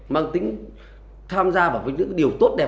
mang tính tham gia vào những điều tốt đẹp